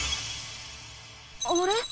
あれ？